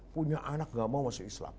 punya anak gak mau masuk islam